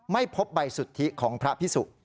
ไม่พบใบสุทธิของพระพิสุ